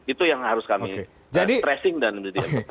itu yang harus kami stress dan mendidikkan